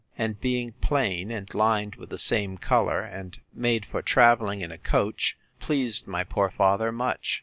And being plain, and lined with the same colour, and made for travelling in a coach, pleased my poor father much.